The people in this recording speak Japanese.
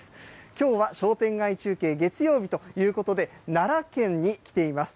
きょうは商店街中継月曜日ということで、奈良県に来ています。